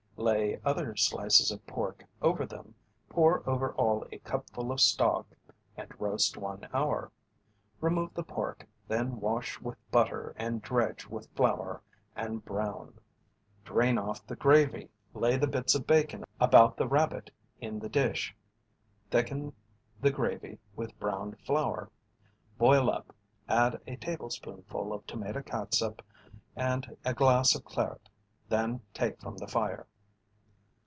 Lay other slices of pork over them, pour over all a cupful of stock, and roast one hour. Remove the pork, then wash with butter and dredge with flour and brown. "Drain off the gravy, lay the bits of bacon about the rabbit in the dish: thicken the gravy with browned flour. Boil up, add a tablespoonful of tomato catsup and a glass of claret, then take from the fire."